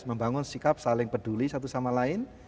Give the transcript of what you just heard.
membangun sikap saling peduli satu sama lain